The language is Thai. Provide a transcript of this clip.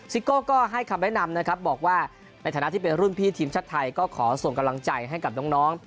ซิโก้ก็ให้คำแนะนำนะครับบอกว่าในฐานะที่เป็นรุ่นพี่ทีมชาติไทยก็ขอส่งกำลังใจให้กับน้อง